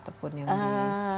atau mungkin yang liar ataupun yang